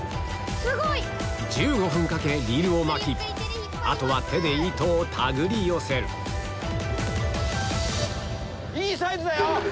１５分かけリールを巻きあとは手で糸を手繰り寄せるいいサイズだよ！